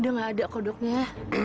udah gak ada kodoknya